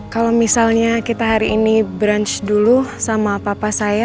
kalau misalnya kita hari ini brunch dulu sama papa saya